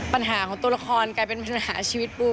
ปัญหาของตัวละครกลายเป็นปัญหาชีวิตปู